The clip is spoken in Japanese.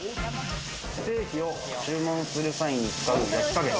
ステーキを注文する際に使う焼き加減